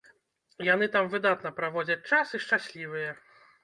Яны там выдатна праводзяць час і шчаслівыя.